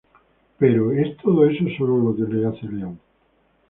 Pero, ¿es todo eso solo lo que le hace león?